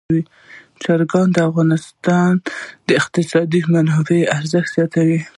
چرګان د افغانستان د اقتصادي منابعو ارزښت زیاتوي.